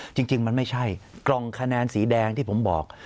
จริงมันไม่ใช่กล่องคะแนนสีแดงที่ผมบอก